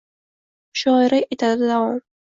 Mushoira etadi davom...